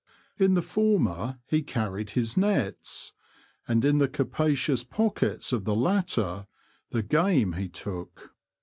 In the former he carried his nets, and in the capa cious pockets of the latter the game he took.